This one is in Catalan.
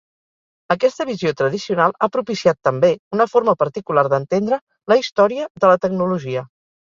Aquesta visió tradicional ha propiciat, també, una forma particular d'entendre la història de la tecnologia.